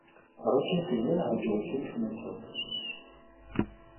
Առաջին ֆիլմերը հաջողություն չունեցան։